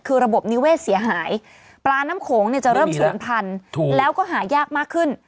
คือระบบนิเวศเสียหายปลาน้ำโขงเนี่ยจะเริ่มศูนย์พันธุ์แล้วก็หายากมากขึ้น